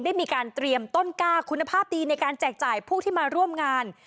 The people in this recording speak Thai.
ได้มีการเตรียมต้นกล้าคุณภาพดีในการแจกจ่ายผู้ที่มาร่วมงาน